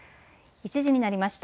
１時になりました。